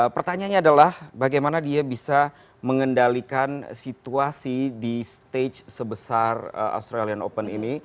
pertanyaannya adalah bagaimana dia bisa mengendalikan situasi di stage sebesar australian open ini